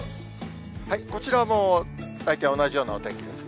こちらも大体同じようなお天気ですね。